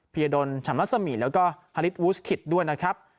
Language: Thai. ยดลชำมัสมีแล้วก็ฮาลิสวูสคิตด้วยนะครับ